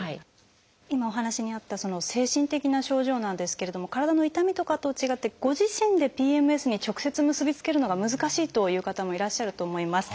今お話にあったその精神的な症状なんですけれども体の痛みとかとは違ってご自身でＰＭＳに直接結び付けるのが難しいという方もいらっしゃると思います。